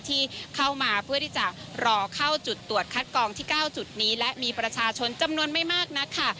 ที่เข้ามาเพื่อที่จะรอเข้าจุดตรวจคัดกองที่๙จุดนี้และมีประชาชนจำนวนไม่มากนักค่ะ